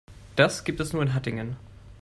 Das gibt es nur in Hattingen